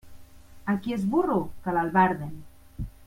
A qui és burro, que l'albarden.